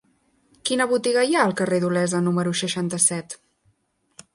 Quina botiga hi ha al carrer d'Olesa número seixanta-set?